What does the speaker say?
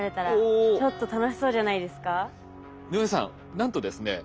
なんとですね